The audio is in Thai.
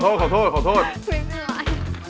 ขอโทษขอโทษขอโทษฮู๊เนื่องร่ะ